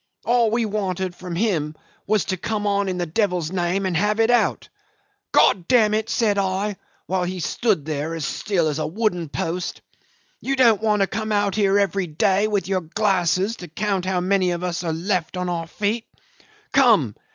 All we wanted from him was to come on in the devil's name and have it out. 'God d n it,' said I, while he stood there as still as a wooden post, 'you don't want to come out here every day with your glasses to count how many of us are left on our feet. Come.